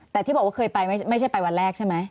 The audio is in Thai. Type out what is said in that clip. แต่ที่บอกว่าเคยไปไม่ใช่ไปวันแรกใช่ไหม